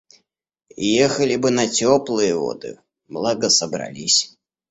Ехали бы на теплые воды, благо собрались.